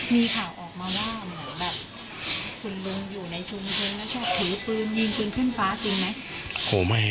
มีข่าวออกมาว่าเหมือนแบบคุณลุงอยู่ในชุมชนแล้วชอบถือปืนยิงปืนขึ้นฟ้าจริงไหม